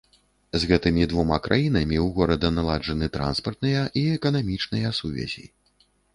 З гэтымі двума краінамі ў горада наладжаны транспартныя і эканамічныя сувязі.